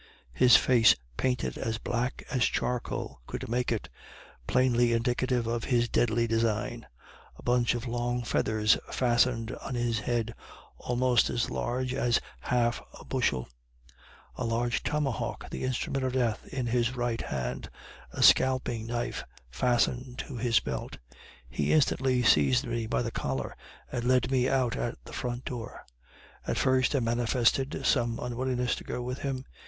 His face painted as black as charcoal could make it, plainly indictive of his deadly design; a bunch of long feathers fastened on his head, almost as large as a half bushel; a large tomahawk, the instrument of death, in his right hand; a scalping knife fastened to his belt. He instanly seized me by the collar, and led me out at the front door. At first I manifested some unwillingness to go with him.